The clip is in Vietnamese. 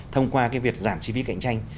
thông qua việc giảm chi phí cạnh tranh